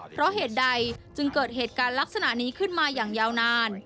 เพราะเหตุใดจึงเกิดเหตุการณ์ลักษณะนี้ขึ้นมาอย่างยาวนาน